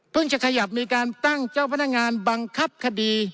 จะขยับมีการตั้งเจ้าพนักงานบังคับคดี